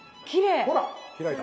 ほら開いた！